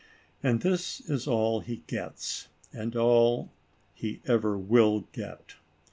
And this is all he gets, and all he ever will get.